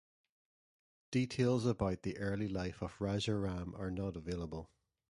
Details about the early life of Raja Ram are not available.